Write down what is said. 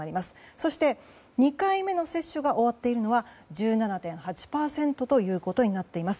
そして、２回目の接種が終わっているのは１７．８％ということになっています。